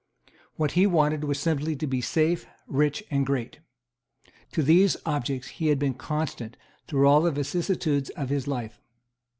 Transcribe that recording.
What he wanted was simply to be safe, rich and great. To these objects he had been constant through all the vicissitudes of his life.